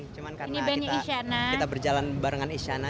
cuma karena kita berjalan barengan isyana